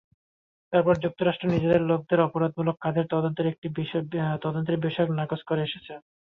তারপরও যুক্তরাষ্ট্র নিজেদের লোকদের অপরাধমূলক কাজের তদন্তের বিষয়টি নাকচ করে এসেছে।